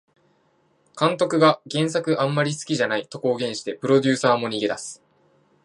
監督が原作あんまり好きじゃないと公言してプロデューサーも逃げ出す